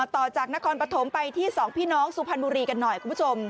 ต่อจากนครปฐมไปที่๒พี่น้องสุพรรณบุรีกันหน่อยคุณผู้ชม